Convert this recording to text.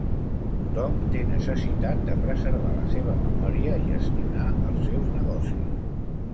Tothom té necessitat de preservar la seva memòria i gestionar els seus negocis.